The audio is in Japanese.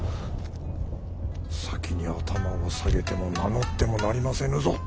先に頭を下げても名乗ってもなりませぬぞ。